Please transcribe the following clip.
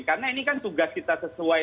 karena ini kan tugas kita sesuai